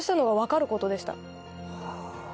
はあ。